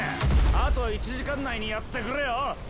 あと１時間内にやってくれよッ！